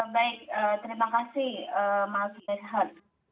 baik terima kasih mas ibu esther